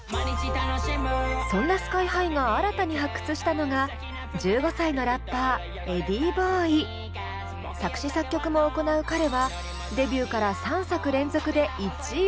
そんなＳＫＹ−ＨＩが新たに発掘したのが作詞作曲も行う彼はデビューから３作連続で１位を獲得。